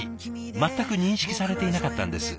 全く認識されていなかったんです。